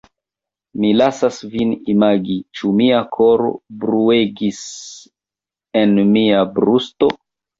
Mi lasas vin imagi, ĉu mia koro bruegis en mia brusto.